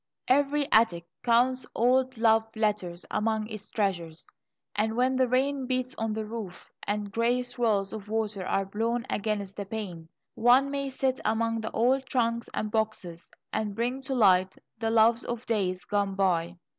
Every attic counts old love letters among its treasures, and when the rain beats on the roof and grey swirls of water are blown against the pane, one may sit among the old trunks and boxes and bring to light the loves of days gone by.